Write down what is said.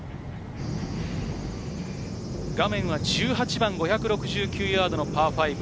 画面は１８番、５６９ヤードのパー５。